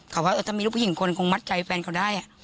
เขาว่าถ้ามีลูกผู้หญิงคนคงมัดใจแฟนเขาได้